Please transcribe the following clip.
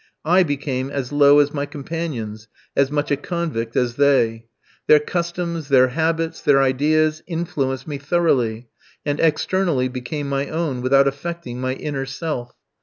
I became as low as my companions, as much a convict as they. Their customs, their habits, their ideas influenced me thoroughly, and externally became my own, without affecting my inner self.